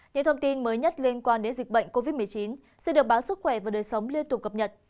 những thông tin mới nhất liên quan đến dịch bệnh covid một mươi chín sẽ được báo sức khỏe và đời sống liên tục cập nhật